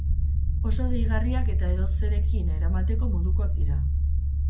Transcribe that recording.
Oso deigarriak eta edozerekin eramateko modukoak dira.